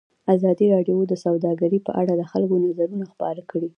ازادي راډیو د سوداګري په اړه د خلکو نظرونه خپاره کړي.